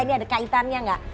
ini ada kaitannya enggak